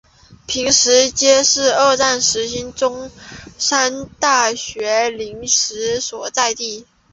坪石街是二战时期中山大学临时所在地。